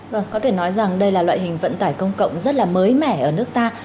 vâng có thể nói rằng đây là loại hình vận tải công cộng rất là mới mẻ ở nước ta